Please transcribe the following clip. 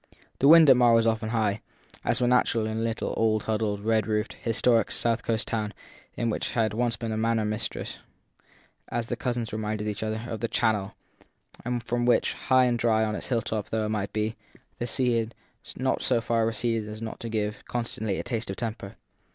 The wind at Marr was often high, as was natural in a little old huddled, red roofed, historic south coast town which had once been in a manner mistress, as the cousins reminded each other, of the Channel, and from which, high and dry on its hilltop though it might be, the sea had not so far receded as not to give, constantly, a taste of temper.